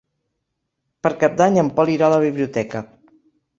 Per Cap d'Any en Pol irà a la biblioteca.